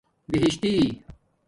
بہشتی